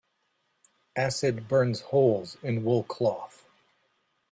Acid burns holes in wool cloth.